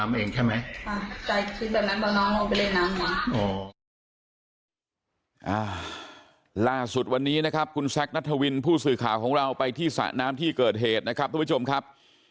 ล่าสุดวันนี้นะครับคุณแซคนัทวินผู้สื่อข่าวของเราไปที่สระน้ำที่เกิดเหตุนะครับทุกผู้ชมครับ